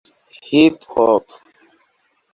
Hip-Hop